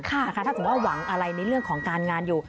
ถ้าสมมุติว่าหวังอะไรในเรื่องของการงานอยู่